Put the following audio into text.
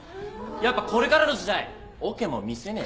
やっぱこれからの時代オケもみせねえとな。